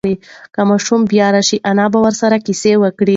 که ماشوم بیا راشي، انا به ورسره قصه وکړي.